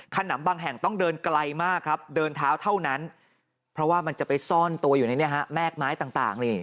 ขนำบางแห่งต้องเดินไกลมากครับเดินเท้าเท่านั้นเพราะว่ามันจะไปซ่อนตัวอยู่ในแม่กไม้ต่างนี่